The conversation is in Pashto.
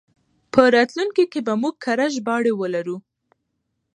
په راتلونکي کې به موږ کره ژباړې ولرو.